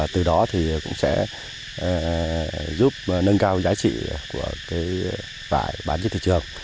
từ đó cũng sẽ giúp nâng cao giá trị của vải bán trên thị trường